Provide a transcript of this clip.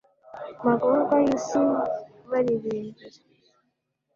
magorwa y'isi, baririmbira